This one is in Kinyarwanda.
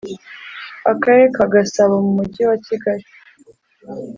Akarere ka Gasabo mu Mujyi wa Kigali